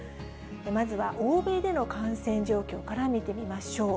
まずは欧米での感染状況から見てみましょう。